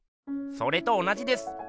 それと同じです。